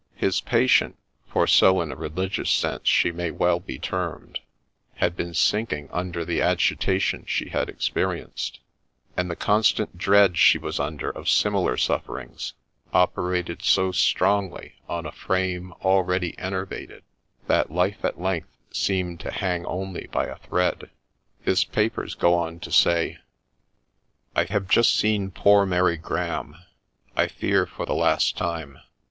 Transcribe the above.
His patient, for so in a religious sense she may well be termed, had been sinking under the agitation she had experienced ; and the constant dread she was under of similar sufferings, operated so strongly on a frame already enervated, that life at length seemed to hang only by a thread. His papers go on to say :' I have just seen poor Mary Graham, — I fear for the last time.